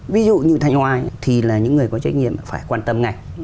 ví dụ như thanh hoài thì là những người có trách nhiệm phải quan tâm ngay